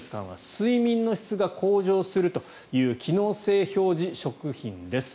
睡眠の質が向上するという機能性表示食品です。